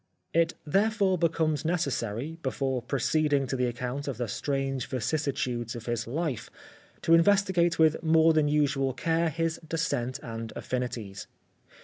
It therefore becomes necessary, before pro ceeding to the account of the strange vicissitudes of his life, to investigate with more than usual care, his descent and affinities.